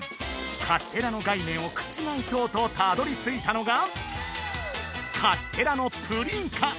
カステラの概念を覆そうとたどり着いたのがカステラのプリン化